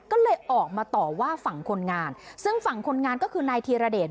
ก็เลยออกมาต่อว่าฝั่งคนงานซึ่งฝั่งคนงานก็คือนายธีรเดช